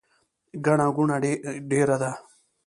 ګڼه ګوڼه ډیره ده